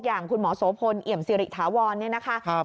อย่างคุณหมอโสพลเอี่ยมสิริถาวรเนี่ยนะคะ